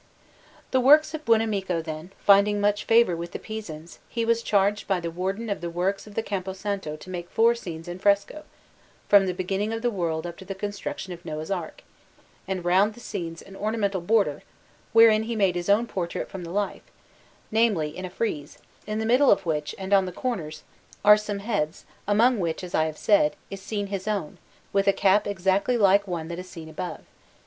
The works of Buonamico, then, finding much favour with the Pisans, he was charged by the Warden of the Works of the Campo Santo to make four scenes in fresco, from the beginning of the world up to the construction of Noah's Ark, and round the scenes an ornamental border, wherein he made his own portrait from the life namely, in a frieze, in the middle of which, and on the corners, are some heads, among which, as I have said, is seen his own, with a cap exactly like the one that is seen above.